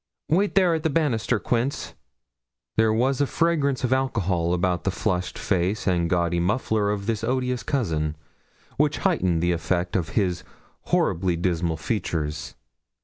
'Wait there at the banister, Quince.' There was a fragrance of alcohol about the flushed face and gaudy muffler of this odious cousin, which heightened the effect of his horribly dismal features.